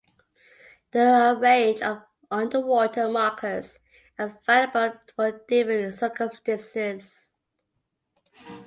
A range of underwater markers are available for different circumstances.